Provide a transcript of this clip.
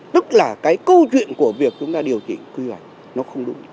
tức là cái câu chuyện của việc chúng ta điều chỉnh quy hoạch nó không đúng